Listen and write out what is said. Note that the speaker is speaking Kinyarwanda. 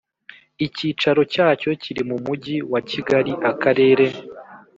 Icyicaro Cyayo Kiri Mu Mujyi Wa Kigali Akarere